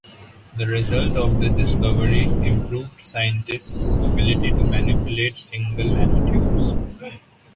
The result of this discovery improved scientists ability to manipulate single nanotubes.